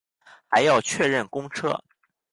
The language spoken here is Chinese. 还要确认公车